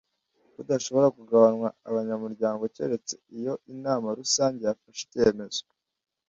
udashobora kugabanwa abanyamuryango keretse iyo inama rusange yafashe icyemezo